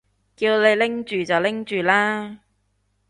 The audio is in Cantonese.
叫你拎住就拎住啦